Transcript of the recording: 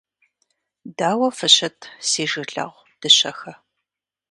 Дауэ фыщыт, си жылэгъу дыщэхэ!